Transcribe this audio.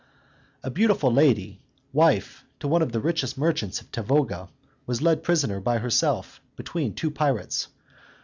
A beautiful lady, wife to one of the richest merchants of Tavoga, was led prisoner by herself, between two pirates.